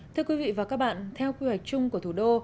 thưa quý vị và các bạn theo quy hoạch chung của thủ đô